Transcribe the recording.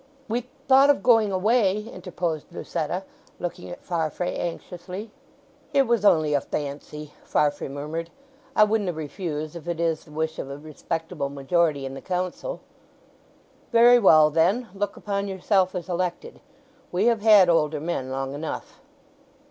"We thought of going away," interposed Lucetta, looking at Farfrae anxiously. "It was only a fancy," Farfrae murmured. "I wouldna refuse if it is the wish of a respectable majority in the Council." "Very well, then, look upon yourself as elected. We have had older men long enough."